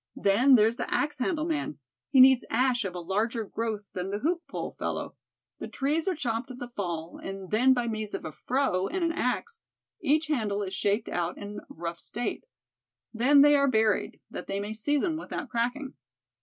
Then there's the axe handle man. He needs ash of a larger growth than the hoop pole fellow. The trees are chopped in the fall, and then by means of a 'froe' and an axe, each handle is shaped out in a rough state. Then they are buried, that they may season without cracking."